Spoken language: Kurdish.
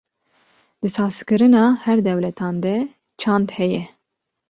di saz kirina her dewletan de çand heye.